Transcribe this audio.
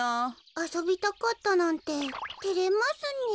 あそびたかったなんててれますねえ。